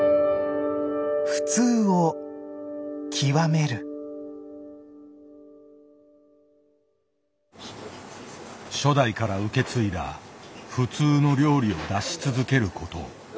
もうこの初代から受け継いだ「普通」の料理を出し続けること。